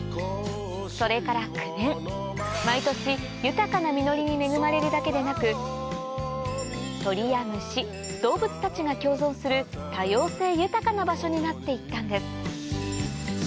それから９年に恵まれるだけでなく鳥や虫動物たちが共存する多様性豊かな場所になっていったんです